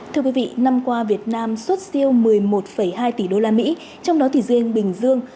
thưa quý vị năm qua việt nam xuất siêu một mươi một hai tỷ đô la mỹ trong đó thì riêng bình dương